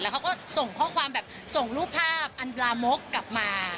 เขาก็ส่งข้อความแบบส่งรูปภาพอันปลามกกลับมา